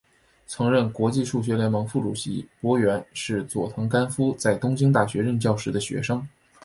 曾任国际数学联盟副主席柏原是佐藤干夫在东京大学任教时的学生。